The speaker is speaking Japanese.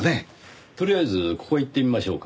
とりあえずここ行ってみましょうか。